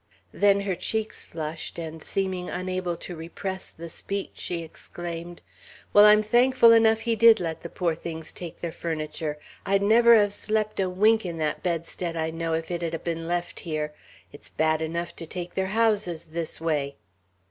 Then her cheeks flushed, and seeming unable to repress the speech, she exclaimed, "Well, I'm thankful enough he did let the poor things take their furniture. I'd never have slept a wink an that bedstead, I know, if it had ha' been left here. It's bad enough to take their houses this way!"